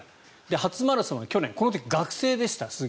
初マラソンは去年、この時学生でした。